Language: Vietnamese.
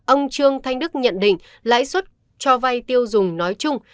ông trương thanh đức nhận định lãi suất cho vay tiêu dùng nói chung